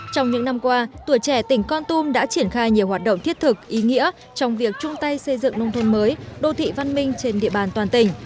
trong những năm qua tuổi trẻ tỉnh con tum đã triển khai nhiều hoạt động thiết thực ý nghĩa trong việc chung tay xây dựng nông thôn mới đô thị văn minh trên địa bàn toàn tỉnh